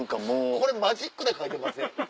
これマジックで書いてません？